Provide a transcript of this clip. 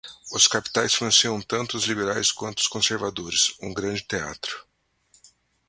Os capitalistas financiam tanto os liberais quanto os conservadores, um grande teatro